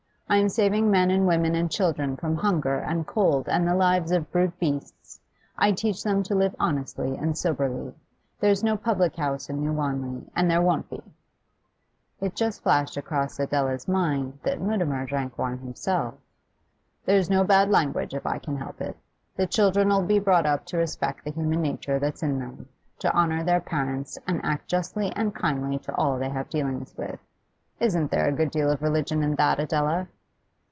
I'm saving men and women and children from hunger and cold and the lives of brute beasts. I teach them to live honestly and soberly. There's no public house in New Wanley, and there won't be.' (It just flashed across Adela's mind that Mutimer drank wine himself.) 'There's no bad language if I can help it. The children 'll be brought up to respect the human nature that's in them, to honour their parents, and act justly and kindly to all they have dealings with. Isn't there a good deal of religion in that, Adela?